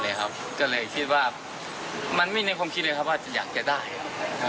คุณพีชบอกไม่อยากให้เป็นข่าวดังเหมือนหวยโอนละเวง๓๐ใบจริงและก็รับลอตเตอรี่ไปแล้วด้วยนะครับ